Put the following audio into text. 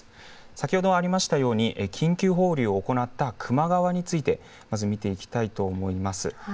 先ほどありましたように緊急放流を行った球磨川についてまず見ていきたいと思います。